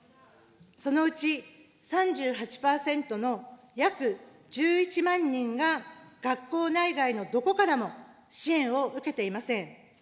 そのうち３８％の約１１万人が学校内外のどこからも支援を受けていません。